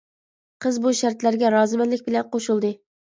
قىز بۇ شەرتلەرگە رازىمەنلىك بىلەن قوشۇلدى.